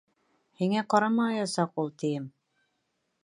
Һиңә ҡарамаясаҡ ул, тием.